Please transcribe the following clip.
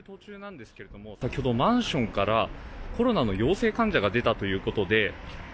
先ほどマンションから、コロナの陽性患者が出たということで。